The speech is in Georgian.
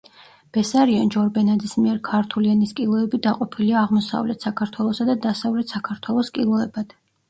ბესარიონ ჯორბენაძის მიერ ქართული ენის კილოები დაყოფილია აღმოსავლეთ საქართველოსა და დასავლეთ საქართველოს კილოებად.